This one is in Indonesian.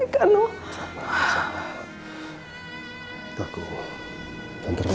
gimana kalau mama kangen sama mereka